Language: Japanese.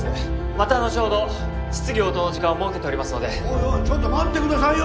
また後ほど質疑応答の時間を設けておりますのでおいおいちょっと待ってくださいよ！